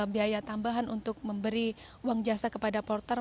biaya tambahan untuk memberi uang jasa kepada porter